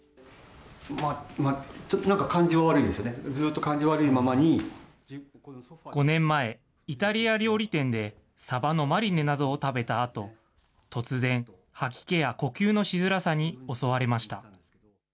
ちょっとなんか感じは悪いですね、５年前、イタリア料理店でサバのマリネなどを食べたあと、突然、吐き気や呼吸のしづらさに襲われました。